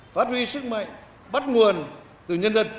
phát huy sức mạnh bắt nguồn từ nhân dân